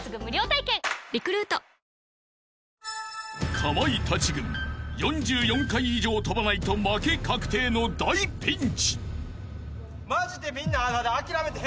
［かまいたち軍４４回以上跳ばないと負け確定の大ピンチ］